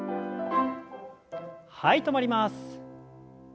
はい止まります。